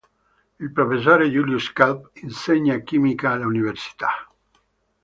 Il professor Julius Kelp insegna chimica all'università.